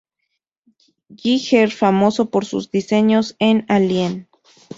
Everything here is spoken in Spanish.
Giger, famoso por sus diseños en Alien.